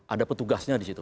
ada petugasnya di situ